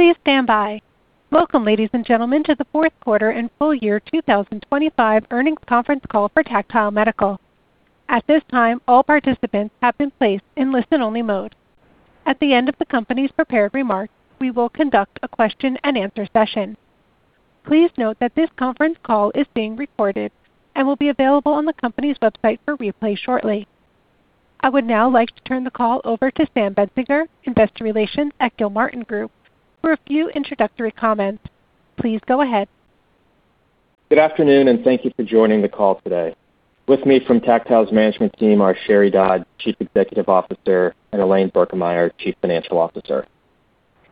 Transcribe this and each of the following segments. Please stand by. Welcome, ladies and gentlemen, to the fourth quarter and full year 2025 earnings conference call for Tactile Medical. At this time, all participants have been placed in listen-only mode. At the end of the company's prepared remarks, we will conduct a question-and-answer session. Please note that this conference call is being recorded and will be available on the company's website for replay shortly. I would now like to turn the call over to Sam Benzinger, Investor Relations at Gilmartin Group, for a few introductory comments. Please go ahead. Good afternoon, and thank you for joining the call today. With me from Tactile's management team are Sheri Dodd, Chief Executive Officer, and Elaine Birkemeyer, Chief Financial Officer.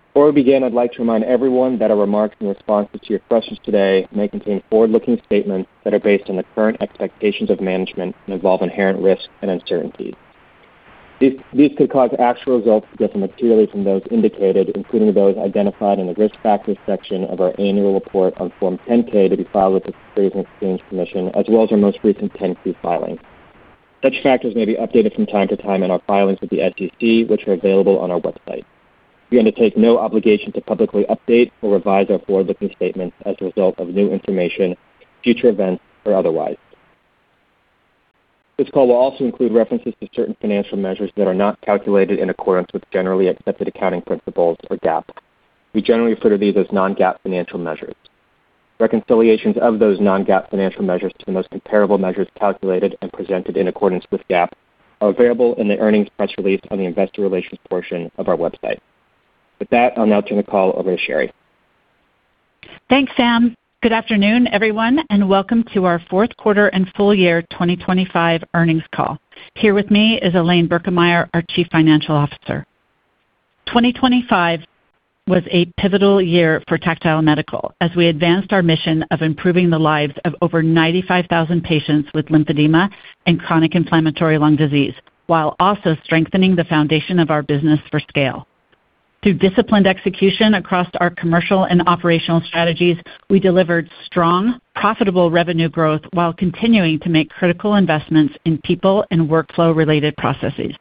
Before we begin, I'd like to remind everyone that our remarks in response to your questions today may contain forward-looking statements that are based on the current expectations of management and involve inherent risks and uncertainties. These could cause actual results to differ materially from those indicated, including those identified in the Risk Factors section of our annual report on Form 10-K to be filed with the Securities and Exchange Commission, as well as our most recent 10-K filing. Such factors may be updated from time to time in our filings with the SEC, which are available on our website. We undertake no obligation to publicly update or revise our forward-looking statements as a result of new information, future events, or otherwise. This call will also include references to certain financial measures that are not calculated in accordance with generally accepted accounting principles or GAAP. We generally refer to these as non-GAAP financial measures. Reconciliations of those non-GAAP financial measures to the most comparable measures calculated and presented in accordance with GAAP are available in the earnings press release on the investor relations portion of our website. With that, I'll now turn the call over to Sheri. Thanks, Sam. Good afternoon, everyone, and welcome to our fourth quarter and full year 2025 earnings call. Here with me is Elaine Birkemeyer, our Chief Financial Officer. 2025 was a pivotal year for Tactile Medical as we advanced our mission of improving the lives of over 95,000 patients with lymphedema and chronic inflammatory lung disease, while also strengthening the foundation of our business for scale. Through disciplined execution across our commercial and operational strategies, we delivered strong, profitable revenue growth while continuing to make critical investments in people and workflow-related processes.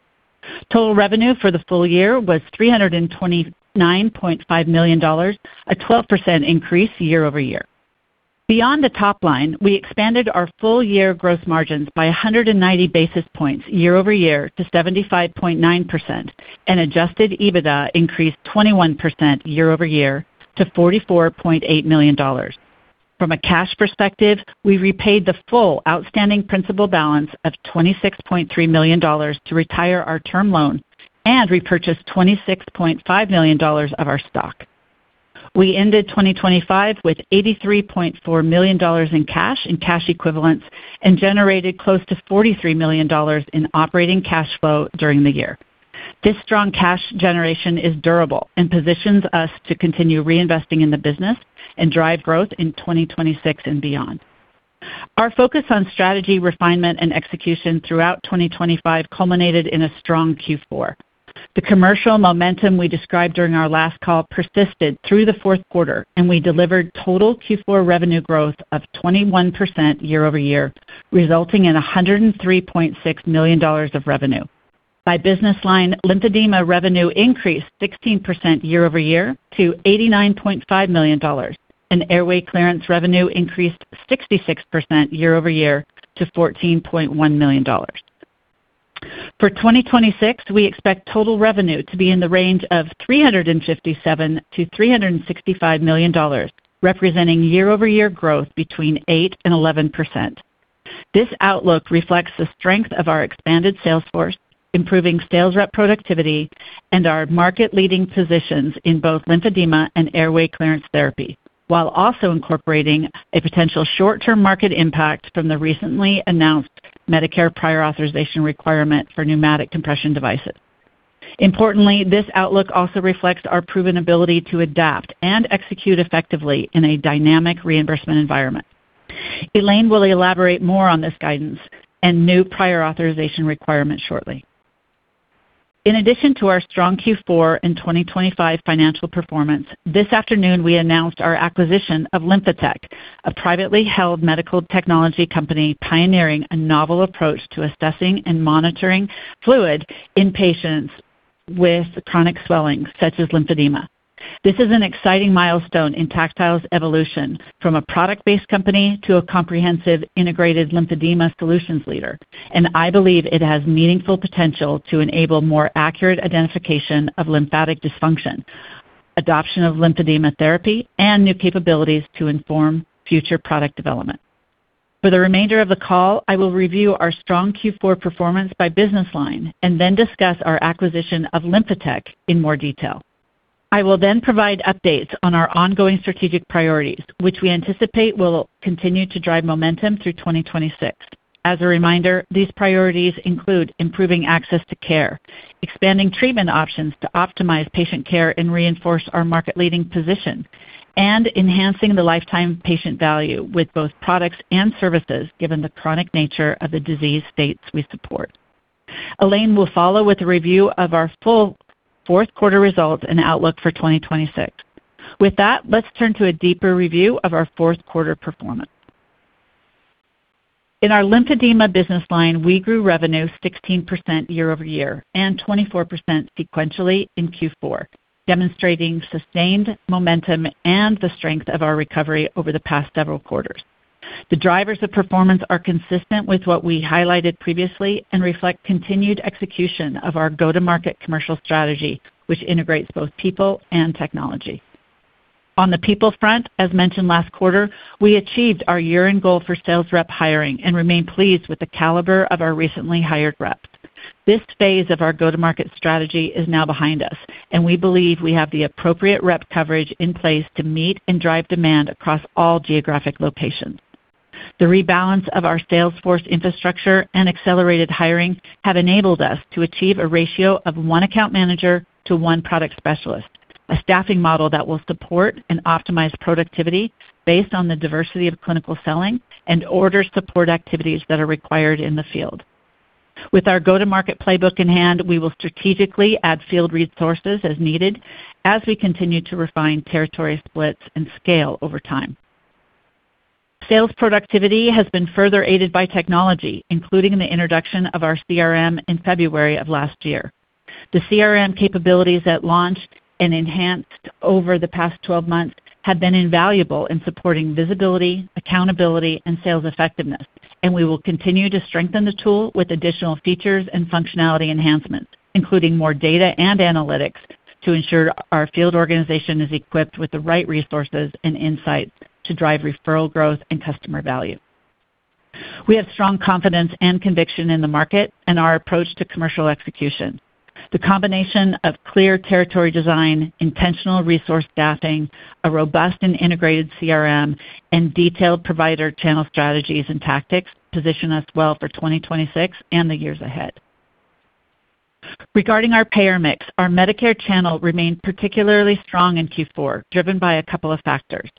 Total revenue for the full year was $329.5 million, a 12% increase year-over-year. Beyond the top line, we expanded our full year growth margins by 190 basis points year-over-year to 75.9%, and Adjusted EBITDA increased 21% year-over-year to $44.8 million. From a cash perspective, we repaid the full outstanding principal balance of $26.3 million to retire our term loan and repurchased $26.5 million of our stock. We ended 2025 with $83.4 million in cash and cash equivalents and generated close to $43 million in operating cash flow during the year. This strong cash generation is durable and positions us to continue reinvesting in the business and drive growth in 2026 and beyond. Our focus on strategy, refinement, and execution throughout 2025 culminated in a strong Q4. The commercial momentum we described during our last call persisted through the fourth quarter, and we delivered total Q4 revenue growth of 21% year-over-year, resulting in $103.6 million of revenue. By business line, lymphedema revenue increased 16% year-over-year to $89.5 million, and airway clearance revenue increased 66% year-over-year to $14.1 million. For 2026, we expect total revenue to be in the range of $357 million-$365 million, representing year-over-year growth between 8% and 11%. This outlook reflects the strength of our expanded sales force, improving sales rep productivity, and our market-leading positions in both lymphedema and airway clearance therapy, while also incorporating a potential short-term market impact from the recently announced Medicare prior authorization requirement for pneumatic compression devices. Importantly, this outlook also reflects our proven ability to adapt and execute effectively in a dynamic reimbursement environment. Elaine will elaborate more on this guidance and new prior authorization requirements shortly. In addition to our strong Q4 and 2025 financial performance, this afternoon we announced our acquisition of LymphaTech, a privately held medical technology company pioneering a novel approach to assessing and monitoring fluid in patients with chronic swelling, such as lymphedema. This is an exciting milestone in Tactile's evolution from a product-based company to a comprehensive integrated lymphedema solutions leader, and I believe it has meaningful potential to enable more accurate identification of lymphatic dysfunction, adoption of lymphedema therapy, and new capabilities to inform future product development. For the remainder of the call, I will review our strong Q4 performance by business line and then discuss our acquisition of LymphaTech in more detail. I will then provide updates on our ongoing strategic priorities, which we anticipate will continue to drive momentum through 2026. As a reminder, these priorities include improving access to care, expanding treatment options to optimize patient care and reinforce our market-leading position, and enhancing the lifetime patient value with both products and services, given the chronic nature of the disease states we support. Elaine will follow with a review of our full fourth quarter results and outlook for 2026. With that, let's turn to a deeper review of our fourth quarter performance. In our lymphedema business line, we grew revenue 16% year-over-year and 24% sequentially in Q4, demonstrating sustained momentum and the strength of our recovery over the past several quarters. The drivers of performance are consistent with what we highlighted previously and reflect continued execution of our go-to-market commercial strategy, which integrates both people and technology. On the people front, as mentioned last quarter, we achieved our year-end goal for sales rep hiring and remain pleased with the caliber of our recently hired reps. This phase of our go-to-market strategy is now behind us, and we believe we have the appropriate rep coverage in place to meet and drive demand across all geographic locations. The rebalance of our sales force infrastructure and accelerated hiring have enabled us to achieve a ratio of one account manager to one product specialist, a staffing model that will support and optimize productivity based on the diversity of clinical selling and order support activities that are required in the field. With our go-to-market playbook in hand, we will strategically add field resources as needed as we continue to refine territory splits and scale over time. Sales productivity has been further aided by technology, including the introduction of our CRM in February of last year. The CRM capabilities that launched and enhanced over the past twelve months have been invaluable in supporting visibility, accountability, and sales effectiveness, and we will continue to strengthen the tool with additional features and functionality enhancements, including more data and analytics, to ensure our field organization is equipped with the right resources and insights to drive referral growth and customer value. We have strong confidence and conviction in the market and our approach to commercial execution. The combination of clear territory design, intentional resource staffing, a robust and integrated CRM, and detailed provider channel strategies and tactics position us well for 2026 and the years ahead. Regarding our payer mix, our Medicare channel remained particularly strong in Q4, driven by a couple of factors.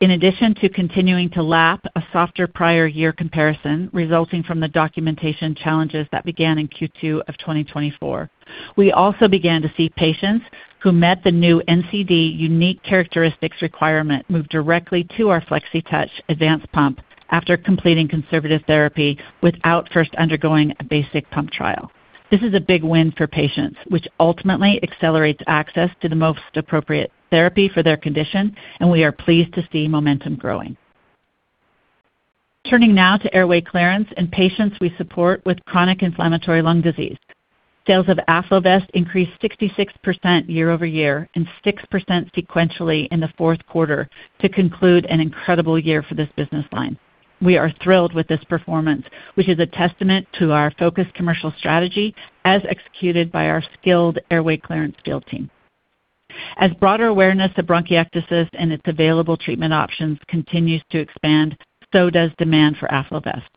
In addition to continuing to lap a softer prior year comparison, resulting from the documentation challenges that began in Q2 of 2024, we also began to see patients who met the new NCD unique characteristics requirement move directly to our Flexitouch Advanced pump after completing conservative therapy without first undergoing a basic pump trial. This is a big win for patients, which ultimately accelerates access to the most appropriate therapy for their condition, and we are pleased to see momentum growing. Turning now to airway clearance in patients we support with chronic inflammatory lung disease. Sales of AffloVest increased 66% year-over-year and 6% sequentially in the fourth quarter to conclude an incredible year for this business line. We are thrilled with this performance, which is a testament to our focused commercial strategy as executed by our skilled airway clearance field team. As broader awareness of bronchiectasis and its available treatment options continues to expand, so does demand for AffloVest.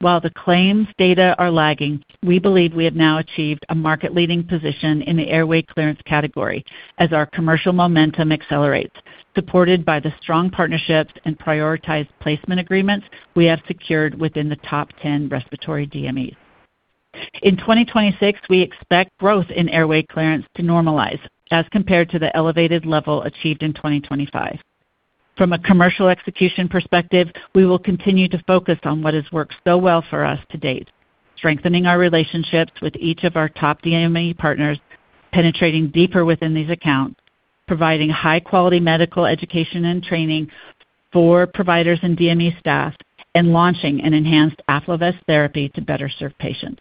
While the claims data are lagging, we believe we have now achieved a market-leading position in the airway clearance category as our commercial momentum accelerates, supported by the strong partnerships and prioritized placement agreements we have secured within the top ten respiratory DMEs. In 2026, we expect growth in airway clearance to normalize as compared to the elevated level achieved in 2025. From a commercial execution perspective, we will continue to focus on what has worked so well for us to date: strengthening our relationships with each of our top DME partners, penetrating deeper within these accounts, providing high-quality medical education and training for providers and DME staff, and launching an enhanced AffloVest therapy to better serve patients.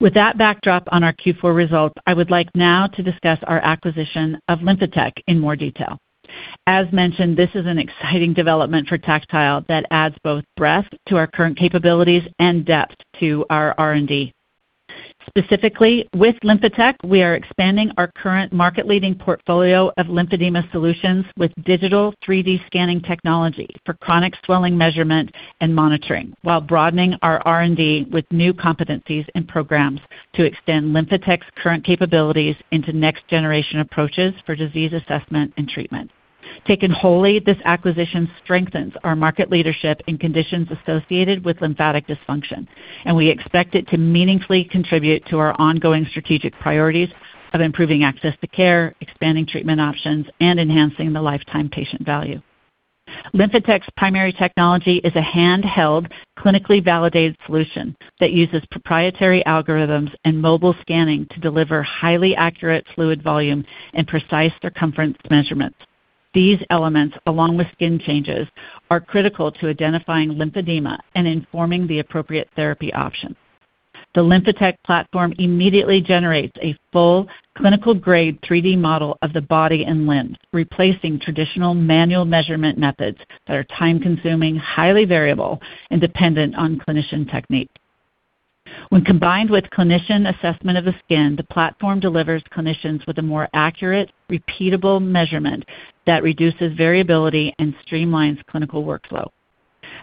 With that backdrop on our Q4 results, I would like now to discuss our acquisition of LymphaTech in more detail. As mentioned, this is an exciting development for Tactile that adds both breadth to our current capabilities and depth to our R&D. Specifically, with LymphaTech, we are expanding our current market-leading portfolio of lymphedema solutions with digital 3D scanning technology for chronic swelling measurement and monitoring, while broadening our R&D with new competencies and programs to extend LymphaTech's current capabilities into next-generation approaches for disease assessment and treatment. Taken wholly, this acquisition strengthens our market leadership in conditions associated with lymphatic dysfunction, and we expect it to meaningfully contribute to our ongoing strategic priorities of improving access to care, expanding treatment options, and enhancing the lifetime patient value. LymphaTech's primary technology is a handheld, clinically validated solution that uses proprietary algorithms and mobile scanning to deliver highly accurate fluid volume and precise circumference measurements. These elements, along with skin changes, are critical to identifying lymphedema and informing the appropriate therapy options. The LymphaTech platform immediately generates a full clinical-grade 3D model of the body and limbs, replacing traditional manual measurement methods that are time-consuming, highly variable, and dependent on clinician technique. When combined with clinician assessment of the skin, the platform delivers clinicians with a more accurate, repeatable measurement that reduces variability and streamlines clinical workflow.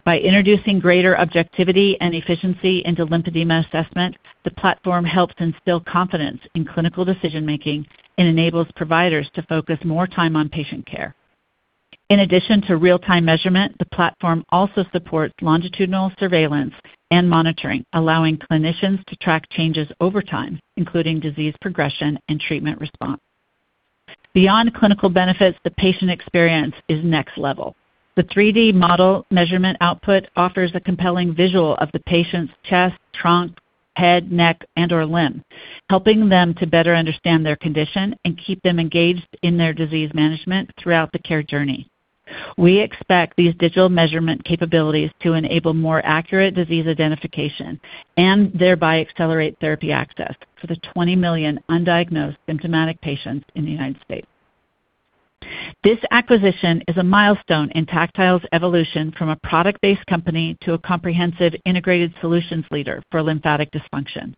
By introducing greater objectivity and efficiency into lymphedema assessment, the platform helps instill confidence in clinical decision-making and enables providers to focus more time on patient care. In addition to real-time measurement, the platform also supports longitudinal surveillance and monitoring, allowing clinicians to track changes over time, including disease progression and treatment response. Beyond clinical benefits, the patient experience is next level. The 3D model measurement output offers a compelling visual of the patient's chest, trunk, head, neck, and/or limb, helping them to better understand their condition and keep them engaged in their disease management throughout the care journey. We expect these digital measurement capabilities to enable more accurate disease identification and thereby accelerate therapy access for the 20 million undiagnosed symptomatic patients in the United States. This acquisition is a milestone in Tactile's evolution from a product-based company to a comprehensive integrated solutions leader for lymphatic dysfunction.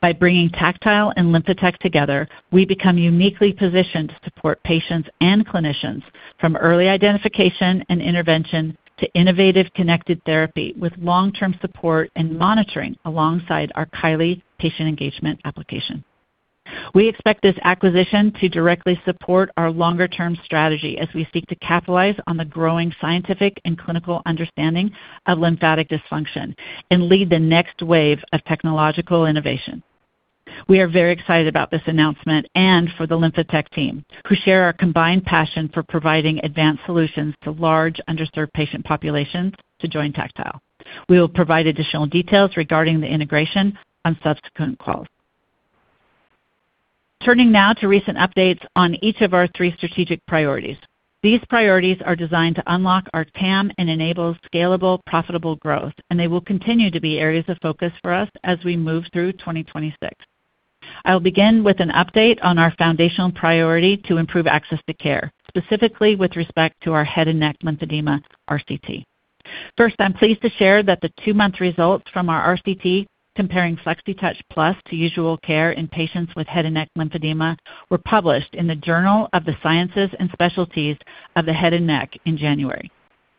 By bringing Tactile and LymphaTech together, we become uniquely positioned to support patients and clinicians from early identification and intervention to innovative connected therapy, with long-term support and monitoring alongside our Kylee patient engagement application. We expect this acquisition to directly support our longer-term strategy as we seek to capitalize on the growing scientific and clinical understanding of lymphatic dysfunction and lead the next wave of technological innovation. We are very excited about this announcement and for the LymphaTech team, who share our combined passion for providing advanced solutions to large, underserved patient populations to join Tactile. We will provide additional details regarding the integration on subsequent calls. Turning now to recent updates on each of our three strategic priorities. These priorities are designed to unlock our TAM and enable scalable, profitable growth, and they will continue to be areas of focus for us as we move through 2026. I will begin with an update on our foundational priority to improve access to care, specifically with respect to our head and neck lymphedema RCT. First, I'm pleased to share that the 2-month results from our RCT, comparing Flexitouch Plus to usual care in patients with head and neck lymphedema, were published in the Journal of the Sciences and Specialties of the Head and Neck in January.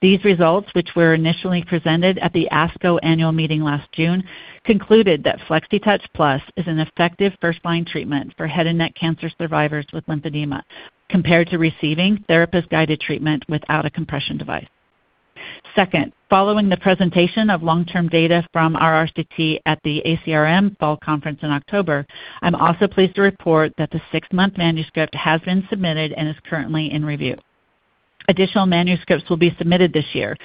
These results, which were initially presented at the ASCO annual meeting last June, concluded that Flexitouch Plus is an effective first-line treatment for head and neck cancer survivors with lymphedema, compared to receiving therapist-guided treatment without a compression device. Second, following the presentation of long-term data from our RCT at the ACRM fall conference in October, I'm also pleased to report that the 6-month manuscript has been submitted and is currently in review. Additional manuscripts will be submitted this year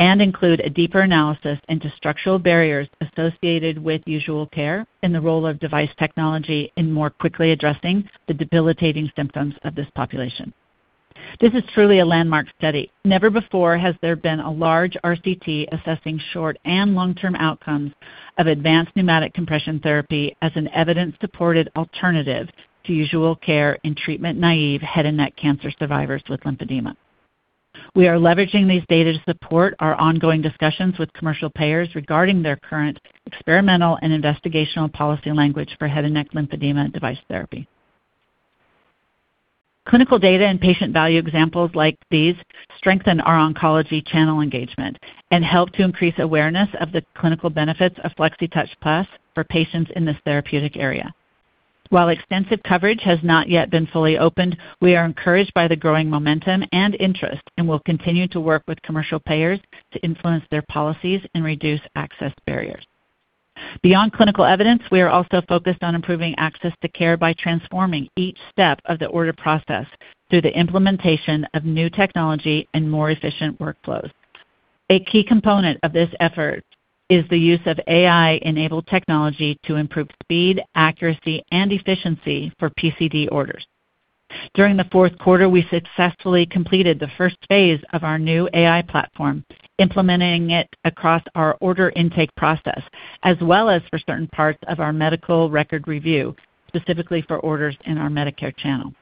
and include a deeper analysis into structural barriers associated with usual care and the role of device technology in more quickly addressing the debilitating symptoms of this population. This is truly a landmark study. Never before has there been a large RCT assessing short and long-term outcomes of advanced pneumatic compression therapy as an evidence-supported alternative to usual care in treatment-naive head and neck cancer survivors with lymphedema. We are leveraging these data to support our ongoing discussions with commercial payers regarding their current experimental and investigational policy language for head and neck lymphedema device therapy. Clinical data and patient value examples like these strengthen our oncology channel engagement and help to increase awareness of the clinical benefits of Flexitouch Plus for patients in this therapeutic area. While extensive coverage has not yet been fully opened, we are encouraged by the growing momentum and interest, and will continue to work with commercial payers to influence their policies and reduce access barriers. Beyond clinical evidence, we are also focused on improving access to care by transforming each step of the order process through the implementation of new technology and more efficient workflows. A key component of this effort is the use of AI-enabled technology to improve speed, accuracy, and efficiency for PCD orders. During the fourth quarter, we successfully completed the first phase of our new AI platform, implementing it across our order intake process, as well as for certain parts of our medical record review, specifically for orders in our Medicare channel.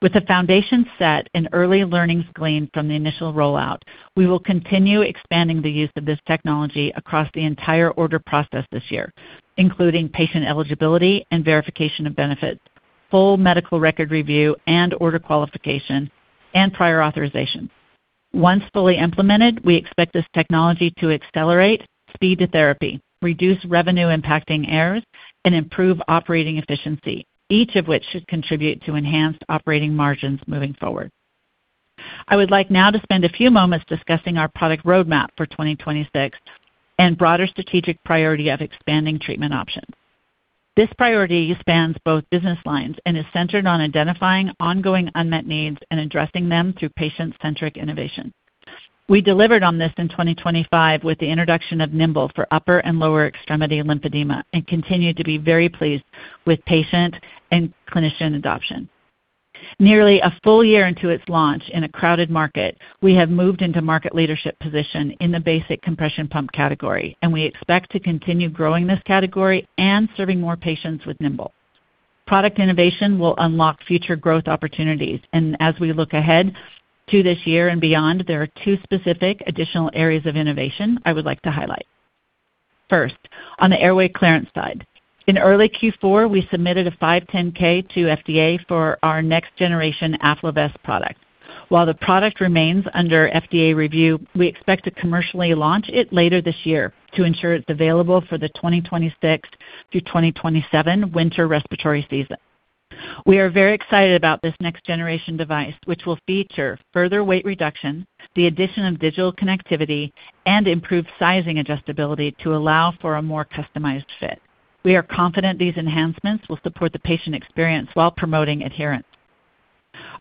With the foundation set and early learnings gleaned from the initial rollout, we will continue expanding the use of this technology across the entire order process this year, including patient eligibility and verification of benefits, full medical record review and order qualification, and prior authorizations. Once fully implemented, we expect this technology to accelerate speed to therapy, reduce revenue-impacting errors, and improve operating efficiency, each of which should contribute to enhanced operating margins moving forward. I would like now to spend a few moments discussing our product roadmap for 2026 and broader strategic priority of expanding treatment options. This priority spans both business lines and is centered on identifying ongoing unmet needs and addressing them through patient-centric innovation. We delivered on this in 2025 with the introduction of Nimbl for upper and lower extremity lymphedema and continue to be very pleased with patient and clinician adoption. Nearly a full year into its launch in a crowded market, we have moved into market leadership position in the basic compression pump category, and we expect to continue growing this category and serving more patients with Nimbl. Product innovation will unlock future growth opportunities, and as we look ahead to this year and beyond, there are two specific additional areas of innovation I would like to highlight. First, on the airway clearance side. In early Q4, we submitted a 510(k) to FDA for our next generation AffloVest product. While the product remains under FDA review, we expect to commercially launch it later this year to ensure it's available for the 2026 through 2027 winter respiratory season. We are very excited about this next generation device, which will feature further weight reduction, the addition of digital connectivity, and improved sizing adjustability to allow for a more customized fit.... We are confident these enhancements will support the patient experience while promoting adherence.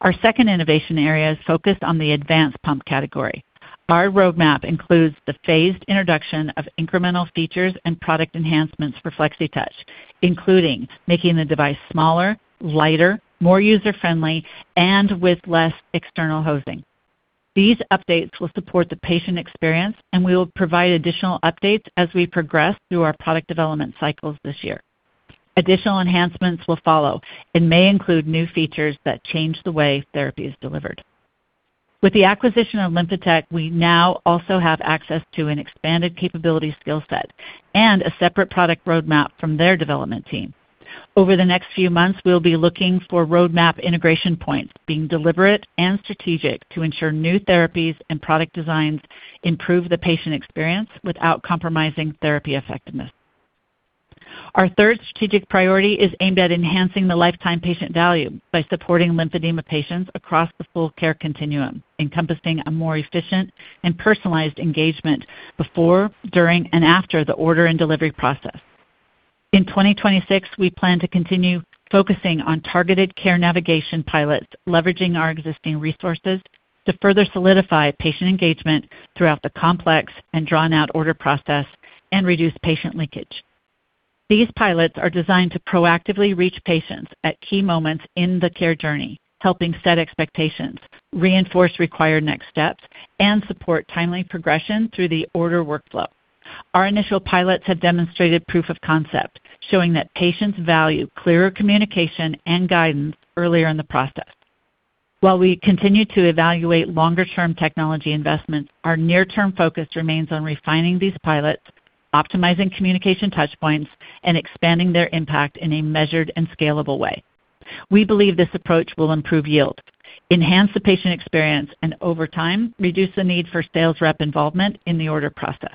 Our second innovation area is focused on the advanced pump category. Our roadmap includes the phased introduction of incremental features and product enhancements for Flexitouch, including making the device smaller, lighter, more user-friendly, and with less external hosing. These updates will support the patient experience, and we will provide additional updates as we progress through our product development cycles this year. Additional enhancements will follow and may include new features that change the way therapy is delivered. With the acquisition of LymphaTech, we now also have access to an expanded capability skill set and a separate product roadmap from their development team. Over the next few months, we'll be looking for roadmap integration points, being deliberate and strategic to ensure new therapies and product designs improve the patient experience without compromising therapy effectiveness. Our third strategic priority is aimed at enhancing the lifetime patient value by supporting lymphedema patients across the full care continuum, encompassing a more efficient and personalized engagement before, during, and after the order and delivery process. In 2026, we plan to continue focusing on targeted care navigation pilots, leveraging our existing resources to further solidify patient engagement throughout the complex and drawn-out order process and reduce patient linkage. These pilots are designed to proactively reach patients at key moments in the care journey, helping set expectations, reinforce required next steps, and support timely progression through the order workflow. Our initial pilots have demonstrated proof of concept, showing that patients value clearer communication and guidance earlier in the process. While we continue to evaluate longer-term technology investments, our near-term focus remains on refining these pilots, optimizing communication touch points, and expanding their impact in a measured and scalable way. We believe this approach will improve yield, enhance the patient experience, and over time, reduce the need for sales rep involvement in the order process.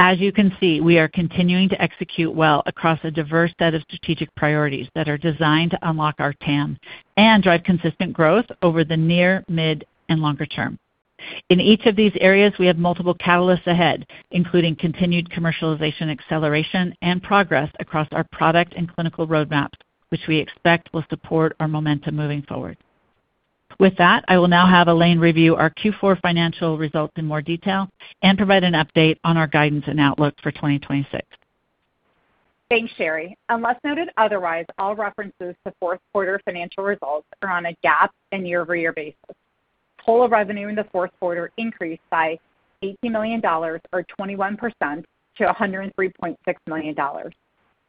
As you can see, we are continuing to execute well across a diverse set of strategic priorities that are designed to unlock our TAM and drive consistent growth over the near, mid, and longer term. In each of these areas, we have multiple catalysts ahead, including continued commercialization, acceleration, and progress across our product and clinical roadmaps, which we expect will support our momentum moving forward. With that, I will now have Elaine review our Q4 financial results in more detail and provide an update on our guidance and outlook for 2026. Thanks, Sheri. Unless noted otherwise, all references to fourth quarter financial results are on a GAAP and year-over-year basis. Total revenue in the fourth quarter increased by $80 million, or 21%, to $103.6 million.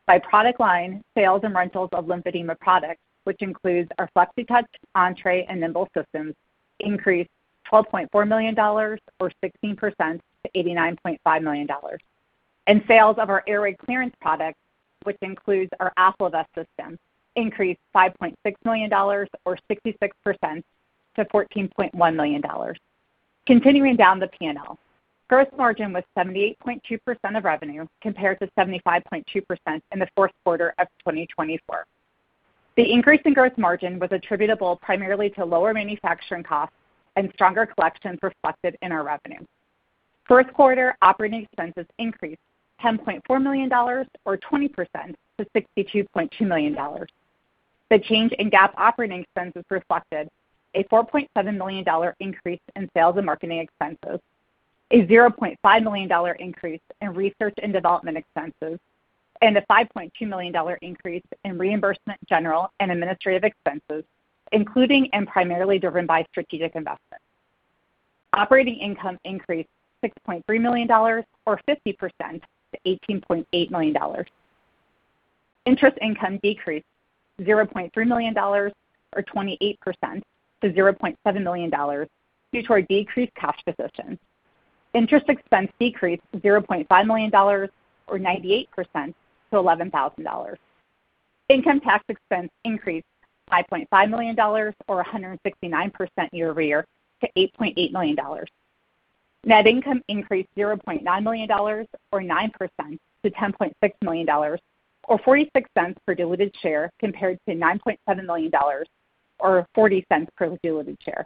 By product line, sales and rentals of lymphedema products, which includes our Flexitouch, Entre, and Nimble systems, increased $12.4 million, or 16% to $89.5 million. Sales of our airway clearance products, which includes our AffloVest system, increased $5.6 million, or 66% to $14.1 million. Continuing down the PNL. Gross margin was 78.2% of revenue, compared to 75.2% in the fourth quarter of 2024. The increase in gross margin was attributable primarily to lower manufacturing costs and stronger collections reflected in our revenue. First quarter operating expenses increased $10.4 million, or 20%, to $62.2 million. The change in GAAP operating expenses reflected a $4.7 million increase in sales and marketing expenses, a $0.5 million increase in research and development expenses, and a $5.2 million increase in reimbursement, general and administrative expenses, including and primarily driven by strategic investments. Operating income increased $6.3 million, or 50%, to $18.8 million. Interest income decreased $0.3 million, or 28%, to $0.7 million due to our decreased cash positions. Interest expense decreased $0.5 million, or 98%, to $11,000. Income tax expense increased $5.5 million, or 169% year-over-year to $8.8 million. Net income increased $0.9 million, or 9% to $10.6 million, or $0.46 per diluted share, compared to $9.7 million, or $0.40 per diluted share.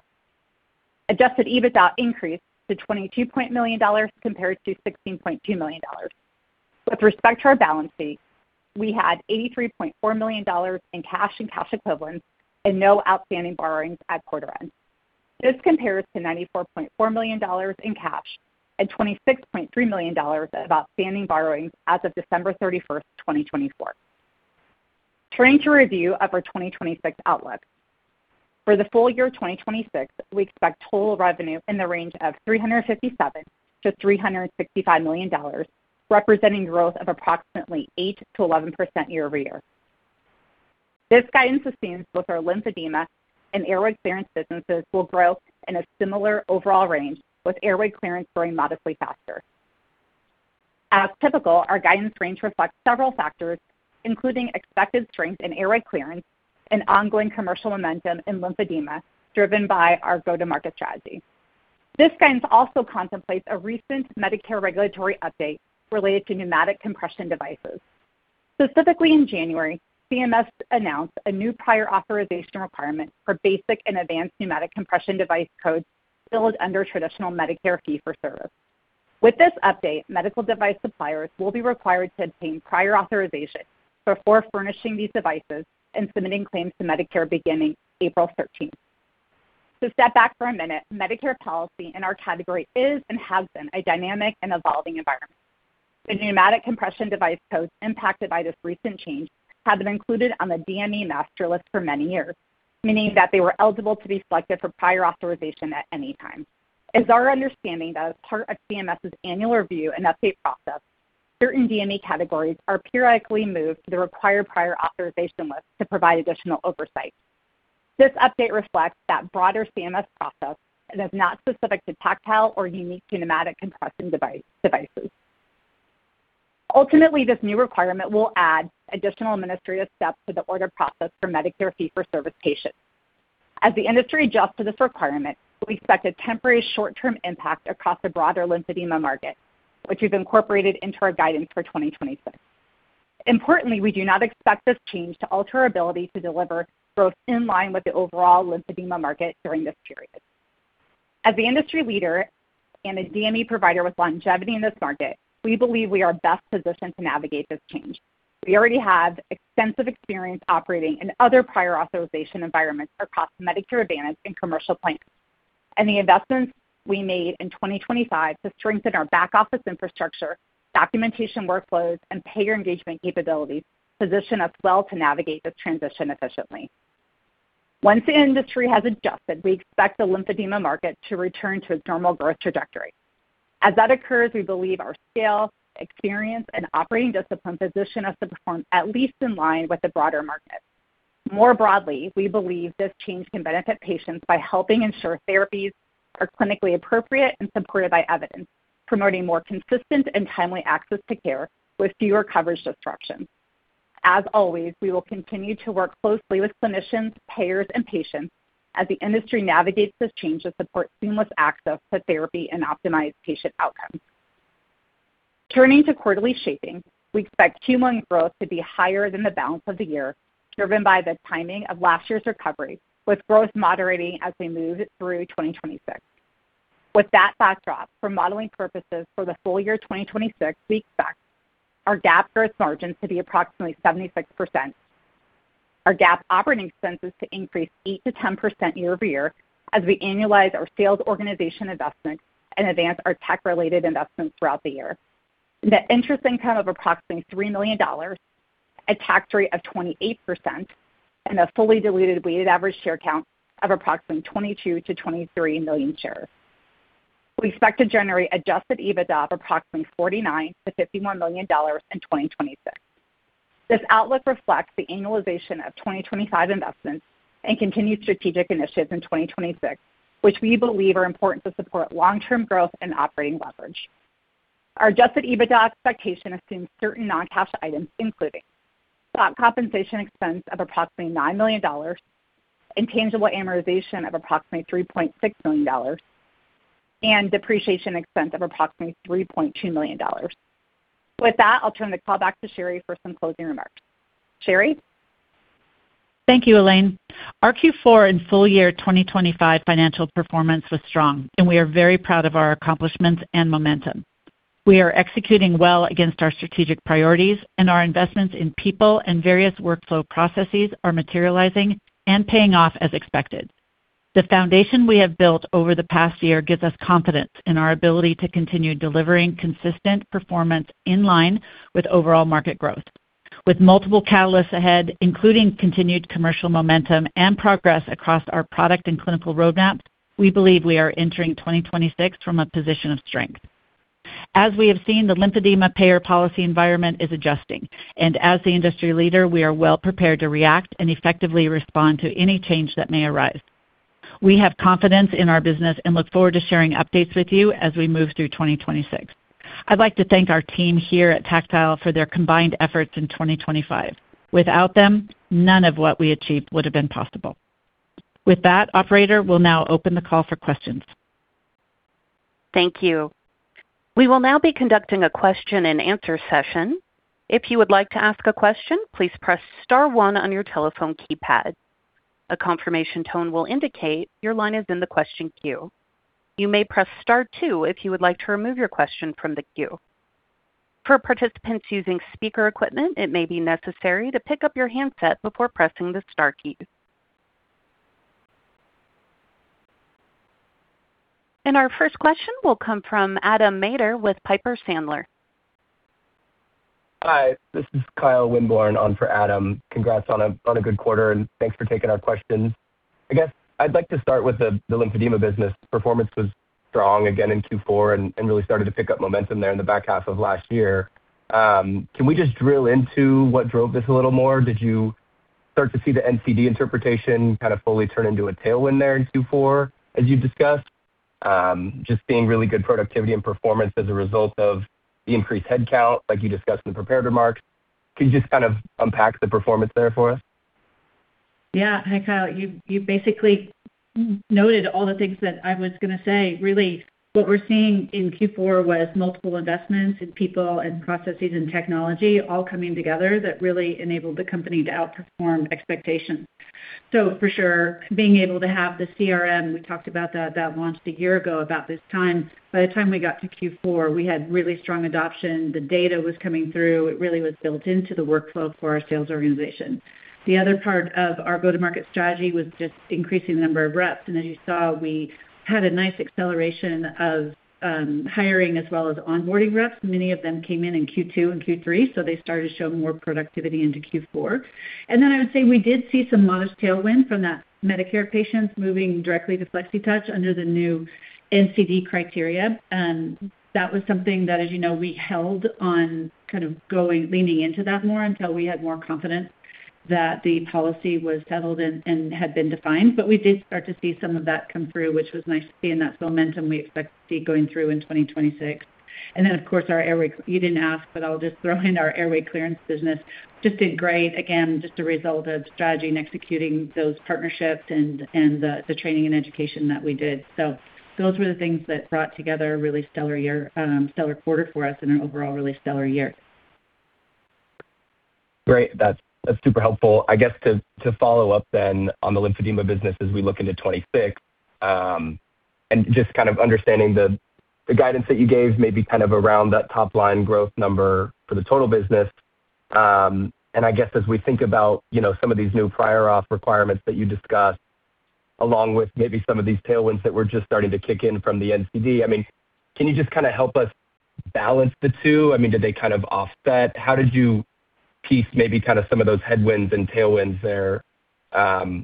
Adjusted EBITDA increased to $22 million compared to $16.2 million. With respect to our balance sheet, we had $83.4 million in cash and cash equivalents and no outstanding borrowings at quarter end. This compares to $94.4 million in cash and $26.3 million of outstanding borrowings as of December 31, 2024. Turning to a review of our 2026 outlook. For the full year 2026, we expect total revenue in the range of $357 million-$365 million, representing growth of approximately 8%-11% year-over-year. This guidance assumes both our lymphedema and airway clearance businesses will grow in a similar overall range, with airway clearance growing modestly faster. As typical, our guidance range reflects several factors, including expected strength in airway clearance and ongoing commercial momentum in lymphedema, driven by our go-to-market strategy. This guidance also contemplates a recent Medicare regulatory update related to pneumatic compression devices. Specifically, in January, CMS announced a new prior authorization requirement for basic and advanced pneumatic compression device codes billed under traditional Medicare fee-for-service. With this update, medical device suppliers will be required to obtain prior authorization before furnishing these devices and submitting claims to Medicare beginning April 13. To step back for a minute, Medicare policy in our category is and has been a dynamic and evolving environment. The pneumatic compression device codes impacted by this recent change have been included on the DME master list for many years, meaning that they were eligible to be selected for prior authorization at any time. It's our understanding that as part of CMS's annual review and update process, certain DME categories are periodically moved to the required prior authorization list to provide additional oversight. This update reflects that broader CMS process and is not specific to Tactile or unique pneumatic compression device, devices. Ultimately, this new requirement will add additional administrative steps to the order process for Medicare fee-for-service patients. As the industry adjusts to this requirement, we expect a temporary short-term impact across the broader lymphedema market, which we've incorporated into our guidance for 2026. Importantly, we do not expect this change to alter our ability to deliver growth in line with the overall lymphedema market during this period. As the industry leader and a DME provider with longevity in this market, we believe we are best positioned to navigate this change. We already have extensive experience operating in other prior authorization environments across Medicare Advantage and commercial plans, and the investments we made in 2025 to strengthen our back-office infrastructure, documentation workflows, and payer engagement capabilities position us well to navigate this transition efficiently. Once the industry has adjusted, we expect the lymphedema market to return to its normal growth trajectory. As that occurs, we believe our scale, experience, and operating discipline position us to perform at least in line with the broader market. More broadly, we believe this change can benefit patients by helping ensure therapies are clinically appropriate and supported by evidence, promoting more consistent and timely access to care with fewer coverage disruptions. As always, we will continue to work closely with clinicians, payers, and patients as the industry navigates this change to support seamless access to therapy and optimize patient outcomes. Turning to quarterly shaping, we expect Q1 growth to be higher than the balance of the year, driven by the timing of last year's recovery, with growth moderating as we move through 2026. With that backdrop, for modeling purposes for the full year 2026, we expect our GAAP gross margin to be approximately 76%, our GAAP operating expenses to increase 8%-10% year-over-year as we annualize our sales organization investments and advance our tech-related investments throughout the year, net interest income of approximately $3 million, a tax rate of 28%, and a fully diluted weighted average share count of approximately 22-23 million shares. We expect to generate Adjusted EBITDA of approximately $49 million-$51 million in 2026. This outlook reflects the annualization of 2025 investments and continued strategic initiatives in 2026, which we believe are important to support long-term growth and operating leverage. Our adjusted EBITDA expectation assumes certain non-cash items, including stock compensation expense of approximately $9 million, intangible amortization of approximately $3.6 million, and depreciation expense of approximately $3.2 million. With that, I'll turn the call back to Sheri for some closing remarks. Sheri? Thank you, Elaine. Our Q4 and full year 2025 financial performance was strong, and we are very proud of our accomplishments and momentum. We are executing well against our strategic priorities, and our investments in people and various workflow processes are materializing and paying off as expected. The foundation we have built over the past year gives us confidence in our ability to continue delivering consistent performance in line with overall market growth. With multiple catalysts ahead, including continued commercial momentum and progress across our product and clinical roadmaps, we believe we are entering 2026 from a position of strength. As we have seen, the Lymphedema payer policy environment is adjusting, and as the industry leader, we are well prepared to react and effectively respond to any change that may arise. We have confidence in our business and look forward to sharing updates with you as we move through 2026. I'd like to thank our team here at Tactile for their combined efforts in 2025. Without them, none of what we achieved would have been possible. With that, operator, we'll now open the call for questions. Thank you. We will now be conducting a question and answer session. If you would like to ask a question, please press star one on your telephone keypad. A confirmation tone will indicate your line is in the question queue. You may press star two if you would like to remove your question from the queue. For participants using speaker equipment, it may be necessary to pick up your handset before pressing the star key. Our first question will come from Adam Mader with Piper Sandler. Hi, this is Kyle Winborne on for Adam. Congrats on a, on a good quarter, and thanks for taking our questions. I guess I'd like to start with the, the Lymphedema business. Performance was strong again in Q4 and, and really started to pick up momentum there in the back half of last year. Can we just drill into what drove this a little more? Did you start to see the NCD interpretation kind of fully turn into a tailwind there in Q4, as you've discussed? Just seeing really good productivity and performance as a result of the increased headcount, like you discussed in the prepared remarks. Can you just kind of unpack the performance there for us? Yeah. Hi, Kyle. You basically noted all the things that I was going to say. Really, what we're seeing in Q4 was multiple investments in people and processes and technology all coming together that really enabled the company to outperform expectations. So for sure, being able to have the CRM, we talked about that, that launched a year ago, about this time. By the time we got to Q4, we had really strong adoption. The data was coming through. It really was built into the workflow for our sales organization. The other part of our go-to-market strategy was just increasing the number of reps. And as you saw, we had a nice acceleration of hiring as well as onboarding reps. Many of them came in Q2 and Q3, so they started showing more productivity into Q4. And then I would say we did see some modest tailwind from that Medicare patients moving directly to Flexitouch under the new NCD criteria. And that was something that, as you know, we held on kind of going, leaning into that more until we had more confidence that the policy was settled and, and had been defined. But we did start to see some of that come through, which was nice to see, and that's momentum we expect to see going through in 2026. And then, of course, our airway, you didn't ask, but I'll just throw in our airway clearance business. It just did great. Again, just a result of strategy and executing those partnerships and, and the, the training and education that we did. So those were the things that brought together a really stellar year, stellar quarter for us and an overall really stellar year. Great. That's, that's super helpful. I guess to, to follow up then on the lymphedema business as we look into 2026, and just kind of understanding the, the guidance that you gave, maybe kind of around that top line growth number for the total business. I guess as we think about, you know, some of these new prior auth requirements that you discussed, along with maybe some of these tailwinds that we're just starting to kick in from the NCD, I mean, can you just kind of help us balance the two? I mean, did they kind of offset? How did you piece maybe kind of some of those headwinds and tailwinds there,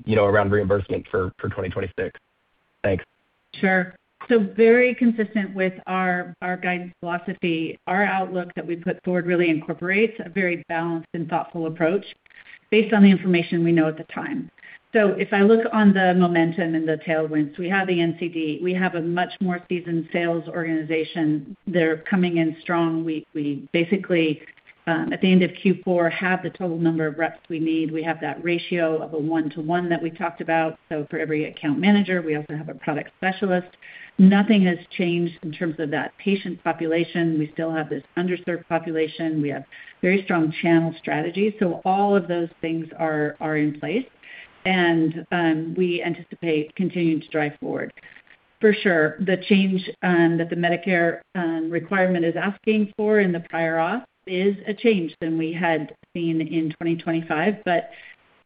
you know, around reimbursement for, for 2026? Thanks. Sure. So very consistent with our guidance philosophy. Our outlook that we put forward really incorporates a very balanced and thoughtful approach based on the information we know at the time. So if I look on the momentum and the tailwinds, we have the NCD, we have a much more seasoned sales organization. They're coming in strong. We basically at the end of Q4 have the total number of reps we need. We have that ratio of a 1:1 that we talked about. So for every account manager, we also have a product specialist. Nothing has changed in terms of that patient population. We still have this underserved population. We have very strong channel strategy. So all of those things are in place, and we anticipate continuing to drive forward. For sure, the change that the Medicare requirement is asking for in the prior auth is a change than we had seen in 2025. But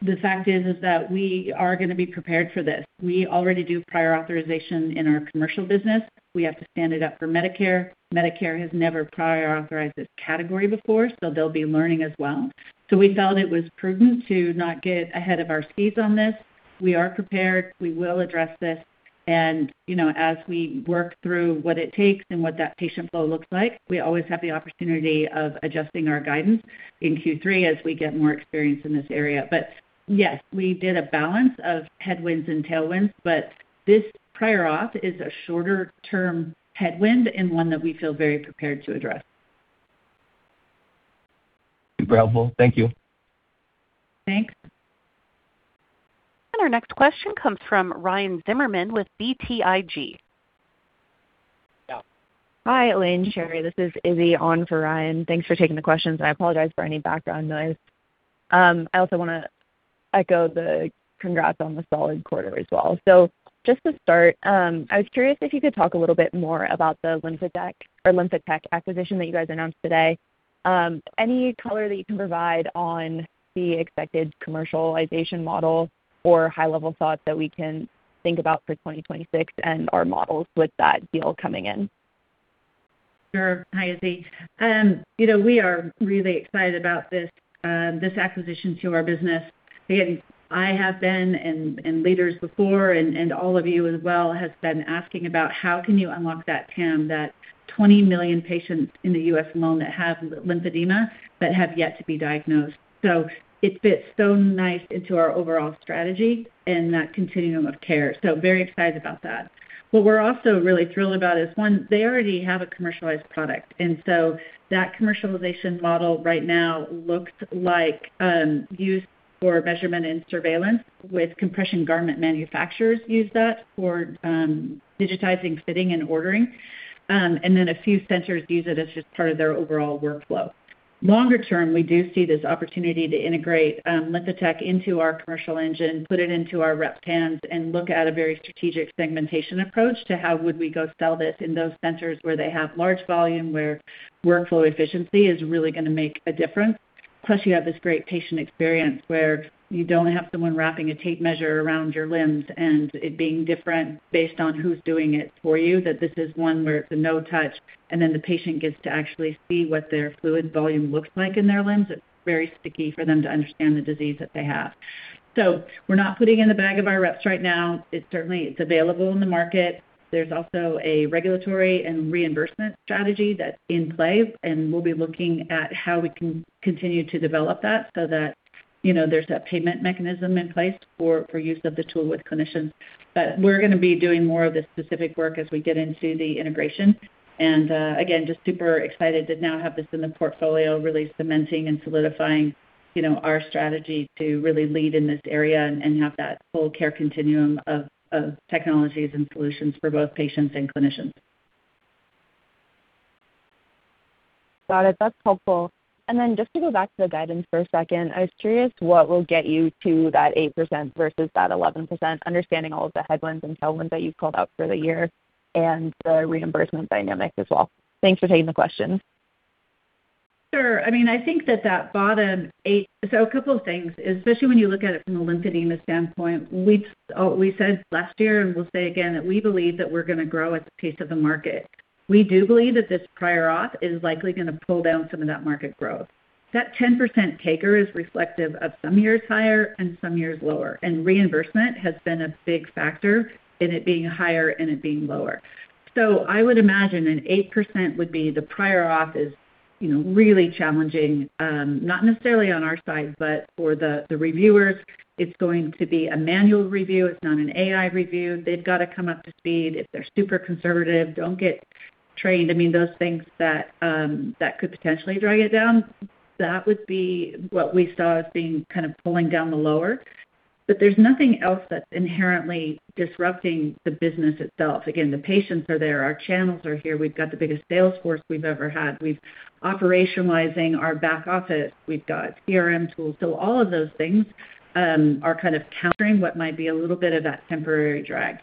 the fact is that we are going to be prepared for this. We already do prior authorization in our commercial business. We have to stand it up for Medicare. Medicare has never prior authorized this category before, so they'll be learning as well. So we felt it was prudent to not get ahead of our skis on this. We are prepared. We will address this. And, you know, as we work through what it takes and what that patient flow looks like, we always have the opportunity of adjusting our guidance in Q3 as we get more experience in this area. But yes, we did a balance of headwinds and tailwinds, but this prior auth is a shorter-term headwind and one that we feel very prepared to address. Super helpful. Thank you. Thanks. Our next question comes from Ryan Zimmerman with BTIG. Hi, Elaine, Sheri, this is Izzy on for Ryan. Thanks for taking the questions. I apologize for any background noise. I also want to echo the congrats on the solid quarter as well. Just to start, I was curious if you could talk a little bit more about the LymphaTech acquisition that you guys announced today. Any color that you can provide on the expected commercialization model or high-level thoughts that we can think about for 2026 and our models with that deal coming in? Sure. Hi, Izzy. You know, we are really excited about this acquisition to our business. Again, I have been and leaders before and all of you as well has been asking about how can you unlock that TAM, that 20 million patients in the U.S. alone that have lymphedema but have yet to be diagnosed. So it fits so nice into our overall strategy and that continuum of care. So very excited about that. What we're also really thrilled about is, one, they already have a commercialized product, and so that commercialization model right now looks like used for measurement and surveillance, with compression garment manufacturers use that for digitizing, fitting, and ordering. And then a few centers use it as just part of their overall workflow. Longer term, we do see this opportunity to integrate LymphaTech into our commercial engine, put it into our rep teams, and look at a very strategic segmentation approach to how would we go sell this in those centers where they have large volume, where workflow efficiency is really going to make a difference. Plus, you have this great patient experience where you don't have someone wrapping a tape measure around your limbs and it being different based on who's doing it for you, that this is one where it's a no touch, and then the patient gets to actually see what their fluid volume looks like in their limbs. It's very sticky for them to understand the disease that they have. So we're not putting in the bag of our reps right now. It's certainly available in the market. There's also a regulatory and reimbursement strategy that's in play, and we'll be looking at how we can continue to develop that so that, you know, there's that payment mechanism in place for use of the tool with clinicians. But we're going to be doing more of the specific work as we get into the integration. And again, just super excited to now have this in the portfolio, really cementing and solidifying, you know, our strategy to really lead in this area and have that full care continuum of technologies and solutions for both patients and clinicians. Got it. That's helpful. And then just to go back to the guidance for a second, I was curious what will get you to that 8% versus that 11%, understanding all of the headwinds and tailwinds that you've called out for the year and the reimbursement dynamic as well. Thanks for taking the question. Sure. I mean, I think that that bottom eight. So a couple of things, especially when you look at it from a Lymphedema standpoint, we've said last year, and we'll say again, that we believe that we're going to grow at the pace of the market. We do believe that this prior auth is likely going to pull down some of that market growth. That 10% taker is reflective of some years higher and some years lower, and reimbursement has been a big factor in it being higher and it being lower. So I would imagine an 8% would be the prior auth is, you know, really challenging, not necessarily on our side, but for the, the reviewers. It's going to be a manual review. It's not an AI review. They've got to come up to speed. If they're super conservative, don't get trained. I mean, those things that could potentially drag it down, that would be what we saw as being kind of pulling down the lower. But there's nothing else that's inherently disrupting the business itself. Again, the patients are there, our channels are here. We've got the biggest sales force we've ever had. We've operationalizing our back office. We've got CRM tools. So all of those things are kind of countering what might be a little bit of that temporary drag.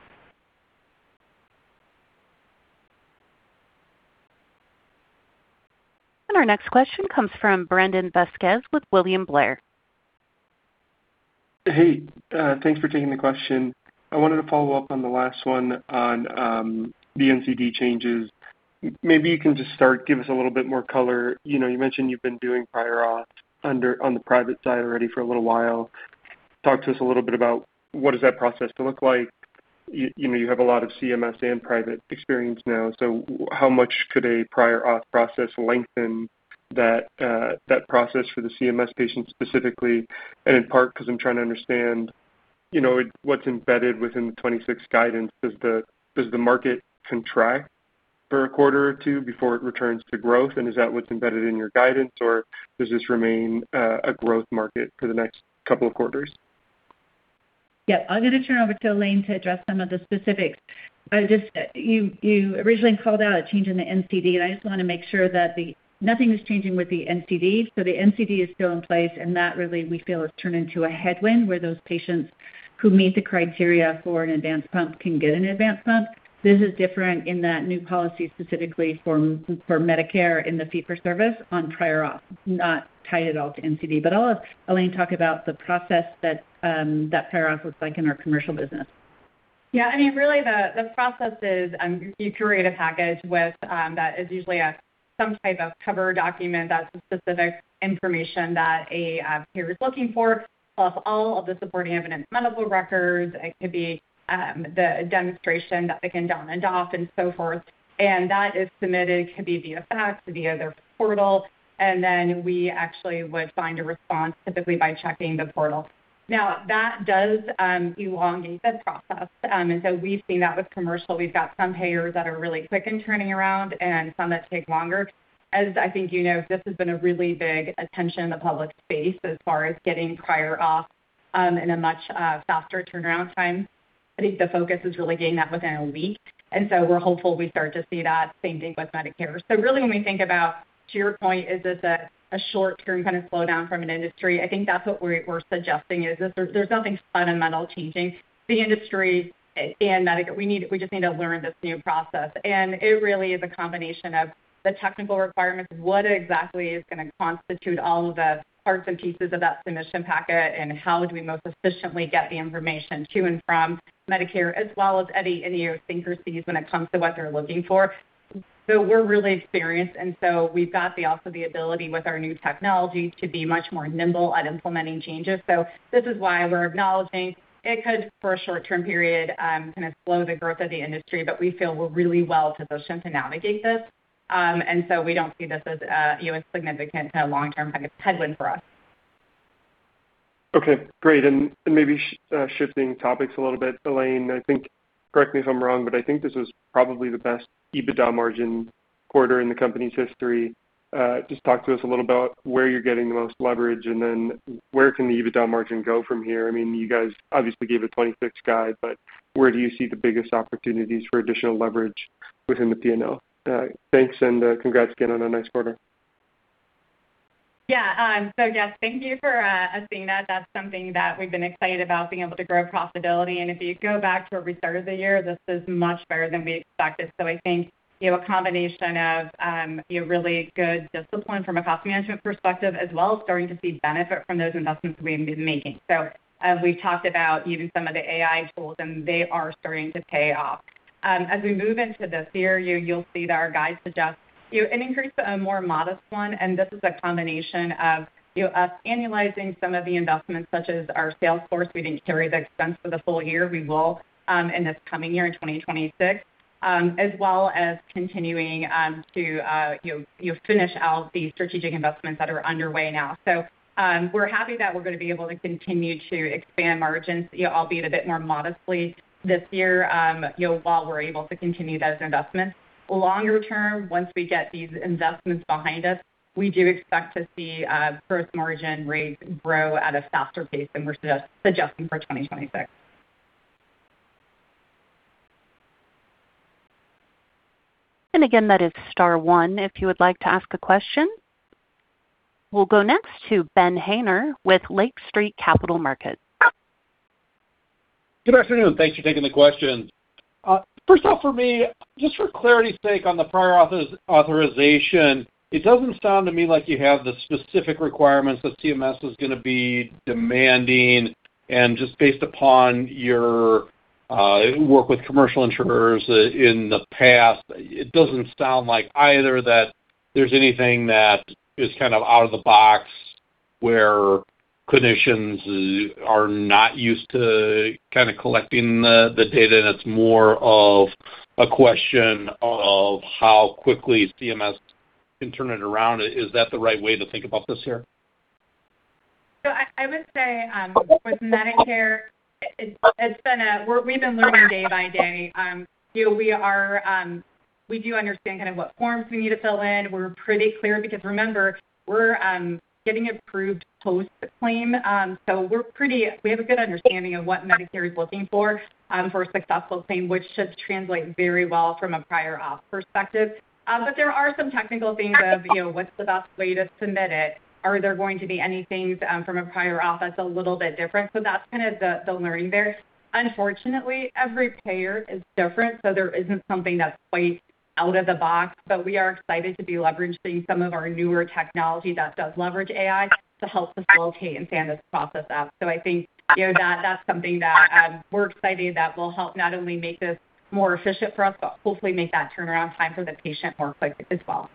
Our next question comes from Brandon Vasquez with William Blair. Hey, thanks for taking the question. I wanted to follow up on the last one on the NCD changes. Maybe you can just start, give us a little bit more color. You know, you mentioned you've been doing prior auth on the private side already for a little while. Talk to us a little bit about what is that process to look like. You know, you have a lot of CMS and private experience now, so how much could a prior auth process lengthen that process for the CMS patients specifically? And in part because I'm trying to understand, you know, what's embedded within the 2026 guidance. Does the market contract for a quarter or two before it returns to growth? Is that what's embedded in your guidance, or does this remain a growth market for the next couple of quarters? Yeah, I'm going to turn over to Elaine to address some of the specifics. I just, you originally called out a change in the NCD, and I just want to make sure that the... Nothing is changing with the NCD, so the NCD is still in place, and that really, we feel, has turned into a headwind, where those patients who meet the criteria for an advanced pump can get an advanced pump. This is different in that new policy, specifically for Medicare in the fee-for-service on prior auth, not tied at all to NCD. But I'll let Elaine talk about the process that prior auth looks like in our commercial business. Yeah, I mean, really, the process is you create a package with that is usually some type of cover document that's specific information that a payer is looking for, plus all of the supporting evidence, medical records. It could be the demonstration that they can don and doff and so forth, and that is submitted, could be via fax, via their portal, and then we actually would find a response, typically by checking the portal. Now, that does elongate the process. And so we've seen that with commercial. We've got some payers that are really quick in turning around and some that take longer. As I think you know, this has been a really big attention in the public space as far as getting prior auth in a much faster turnaround time. I think the focus is really getting that within a week, and so we're hopeful we start to see that same thing with Medicare. So really, when we think about, to your point, is this a short-term kind of slowdown from an industry? I think that's what we're suggesting, is that there's nothing fundamental changing. The industry and Medicare, we just need to learn this new process. And it really is a combination of the technical requirements of what exactly is going to constitute all of the parts and pieces of that submission packet, and how do we most efficiently get the information to and from Medicare, as well as any of bureaucracies when it comes to what they're looking for. So we're really experienced, and so we've got the, also the ability with our new technology to be much more nimble at implementing changes. So this is why we're acknowledging it could, for a short-term period, kind of slow the growth of the industry, but we feel we're really well positioned to navigate this. And so we don't see this as a, you know, significant kind of long-term kind of headwind for us. Okay, great. Maybe shifting topics a little bit, Elaine, I think, correct me if I'm wrong, but I think this is probably the best EBITDA margin quarter in the company's history. Just talk to us a little about where you're getting the most leverage, and then where can the EBITDA margin go from here? I mean, you guys obviously gave a 26 guide, but where do you see the biggest opportunities for additional leverage within the P&L? Thanks, and congrats again on a nice quarter. Yeah. So yes, thank you for seeing that. That's something that we've been excited about, being able to grow profitability. If you go back to where we started the year, this is much better than we expected. So I think, you know, a combination of, you know, really good discipline from a cost management perspective, as well as starting to see benefit from those investments we've been making. So as we talked about even some of the AI tools, and they are starting to pay off. As we move into this year, you, you'll see that our guide suggests, you know, an increase, a more modest one, and this is a combination of, you know, us annualizing some of the investments, such as our sales force. We didn't carry the expense for the full year. We will, in this coming year, in 2026, as well as continuing to, you know, finish out the strategic investments that are underway now. So, we're happy that we're going to be able to continue to expand margins, you know, albeit a bit more modestly this year, you know, while we're able to continue those investments. Longer term, once we get these investments behind us, we do expect to see gross margin rates grow at a faster pace than we're suggesting for 2026. And again, that is star one, if you would like to ask a question. We'll go next to Ben Haynor with Lake Street Capital Markets. Good afternoon. Thanks for taking the questions. First off, for me, just for clarity's sake on the prior authorization, it doesn't sound to me like you have the specific requirements that CMS is gonna be demanding. And just based upon your work with commercial insurers in the past, it doesn't sound like either that there's anything that is kind of out of the box, where clinicians are not used to kind of collecting the data, and it's more of a question of how quickly CMS can turn it around. Is that the right way to think about this here? So I would say, with Medicare, it's been—we've been learning day by day. You know, we do understand kind of what forms we need to fill in. We're pretty clear, because remember, we're getting approved post-claim. So we're pretty. We have a good understanding of what Medicare is looking for for a successful claim, which should translate very well from a prior auth perspective. But there are some technical things of, you know, what's the best way to submit it? Are there going to be any things from a prior auth that's a little bit different? So that's kind of the learning there. Unfortunately, every payer is different, so there isn't something that's quite out of the box. But we are excited to be leveraging some of our newer technology that does leverage AI to help facilitate and stand this process up. So I think, you know, that, that's something that, we're excited that will help not only make this more efficient for us, but hopefully make that turnaround time for the patient more quick as well.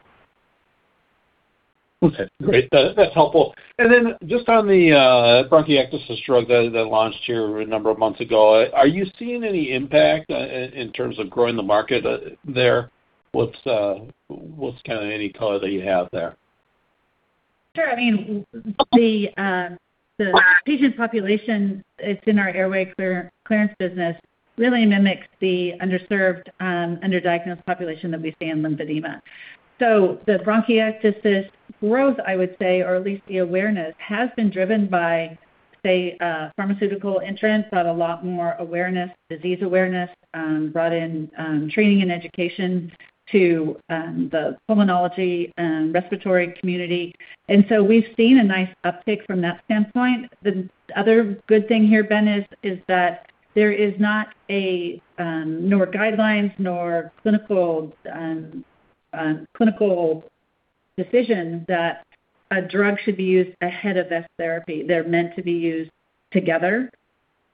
Okay, great. That's helpful. And then just on the bronchiectasis drug that launched here a number of months ago, are you seeing any impact in terms of growing the market there? What's kind of any color that you have there? Sure. I mean, the patient population, it's in our airway clearance business, really mimics the underserved, underdiagnosed population that we see in lymphedema. So the bronchiectasis growth, I would say, or at least the awareness, has been driven by, say, pharmaceutical entrants got a lot more awareness, disease awareness, brought in, training and education to the pulmonology and respiratory community. And so we've seen a nice uptick from that standpoint. The other good thing here, Ben, is that there is not a nor guidelines, nor clinical clinical decision that a drug should be used ahead of this therapy. They're meant to be used together.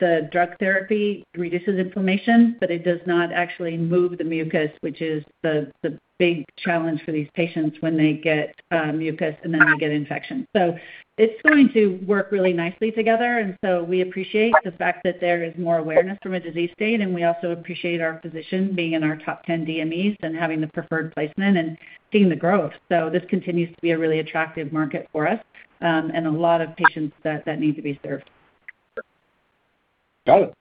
The drug therapy reduces inflammation, but it does not actually move the mucus, which is the big challenge for these patients when they get mucus and then they get infection. So it's going to work really nicely together, and so we appreciate the fact that there is more awareness from a disease state, and we also appreciate our physician being in our top ten DMEs and having the preferred placement and seeing the growth. So this continues to be a really attractive market for us, and a lot of patients that need to be served. Got it.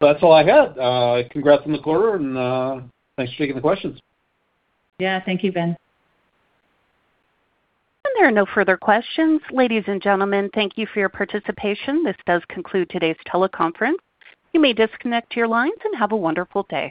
So that's all I have. Congrats on the quarter, and thanks for taking the questions. Yeah. Thank you, Ben. There are no further questions. Ladies and gentlemen, thank you for your participation. This does conclude today's teleconference. You may disconnect your lines, and have a wonderful day.